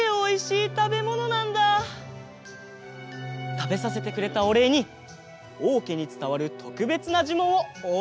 たべさせてくれたおれいにおうけにつたわるとくべつなじゅもんをおおしえしましょう！